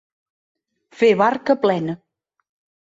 Fer barca plena.